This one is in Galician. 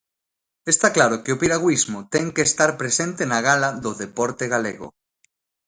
Está claro que o piragüismo ten que estar presente na gala do deporte galego.